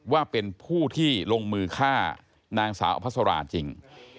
ว่าเป็นผู้ที่ลงมือฆ่านางสาวอภัสราจริง